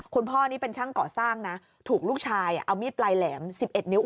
คุณพ่อนี่เป็นช่างก่อสร้างนะถูกลูกชายเอามีดปลายแหลม๑๑นิ้ว